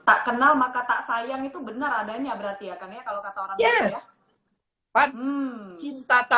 tak kenal maka tak sayang itu benar adanya berarti ya